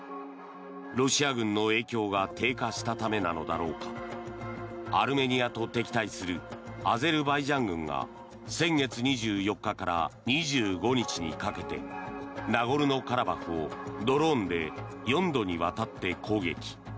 ロシア軍の影響が低下したためなのだろうかアルメニアと敵対するアゼルバイジャン軍が先月２４日から２５日にかけてナゴルノカラバフをドローンで４度にわたって攻撃。